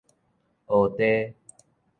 蚵炱